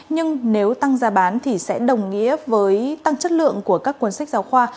nhưng nếu tăng giá bán thì sẽ đồng nghĩa với tăng chất lượng của các cuốn sách giáo khoa